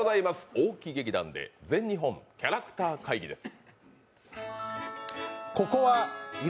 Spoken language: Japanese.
大木劇団で全日本キャラクター会議です。